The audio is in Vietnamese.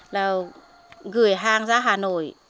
rồi gửi hàng ra hà nội